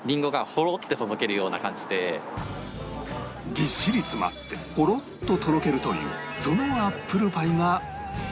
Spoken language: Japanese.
ぎっしり詰まってホロっととろけるというそのアップルパイが